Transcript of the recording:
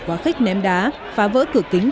quá khích ném đá phá vỡ cửa kính